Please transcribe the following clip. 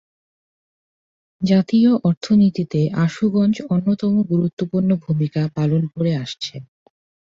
জাতীয় অর্থনীতিতে আশুগঞ্জ অন্যতম গুরুত্বপূর্ণ ভূমিকা পালন করে আসছে।